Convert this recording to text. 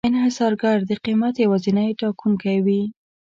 انحصارګر د قیمت یوازینی ټاکونکی وي.